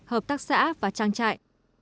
hợp tác xã và trang trại